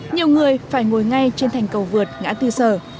nhiều người phải ngồi ngay trên thành cầu vượt ngã tư sở